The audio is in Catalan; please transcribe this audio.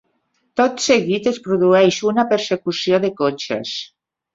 Tot seguit es produeix una persecució de cotxes.